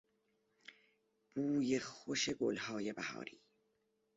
بوی خوش گلهای بهاری